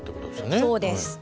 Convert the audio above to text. そうです。